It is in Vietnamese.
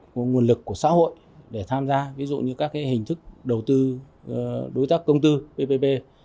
các nguồn lực của xã hội để tham gia ví dụ như các hình thức đầu tư đối tác công tư ppp